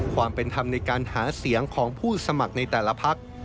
ความเป็นธรรมในการหาเสียงของผู้สมัครในแต่ละพัก